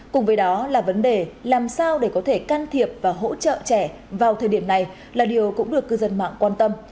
cùng với đó là vấn đề làm sao để có thể can thiệp và hỗ trợ trẻ vào thời điểm này là điều cũng được cư dân mạng quan tâm